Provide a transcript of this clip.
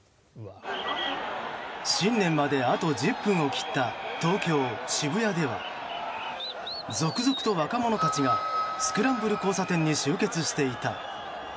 新年まであと１０分を切った東京・渋谷では続々と若者たちがスクランブル交差点に集結していた。